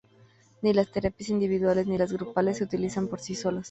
Ni las terapias individuales ni las grupales se utilizan por sí solas.